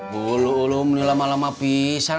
bulu bulu menilam alam abisan